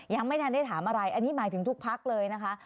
ยังไม่ทันได้ถามอะไรอันนี้หมายถึงทุกพักเลยนะคะ